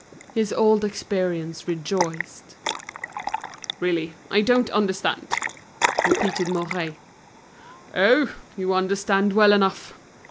His old experience rejoiced. "Really, I don't understand," repeated Mouret. "Oh! you understand well enough.